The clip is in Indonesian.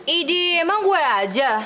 idi emang gue aja